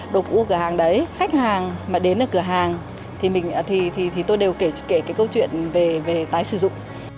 đồ mua cửa hàng đấy khách hàng mà đến ở cửa hàng thì mình tôi đều kể cái câu chuyện về tái sử dụng